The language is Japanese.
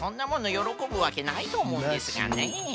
よろこぶわけないとおもうんですがね。